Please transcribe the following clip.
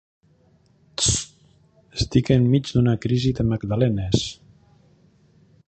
Xss! Estic enmig d'una crisi de magdalenes.